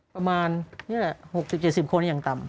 ประมาณนี่แหละ๖๐๗๐คนอย่างต่ำ